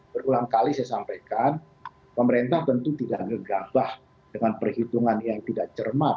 berulang kali saya sampaikan pemerintah tentu tidak ngegabah dengan perhitungan yang tidak cermat